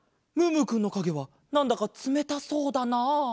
ムームーくんのかげはなんだかつめたそうだなあ。